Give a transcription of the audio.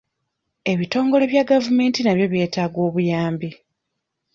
Ebitongole bya gavumenti nabyo byetaaga obuyambi?